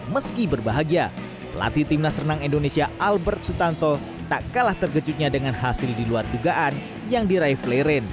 meski berbahagia pelatih timnas renang indonesia albert sutanto tak kalah terkejutnya dengan hasil diluar dugaan yang diraih fleren